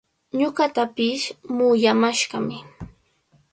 Ñuqatapish muyamashqami.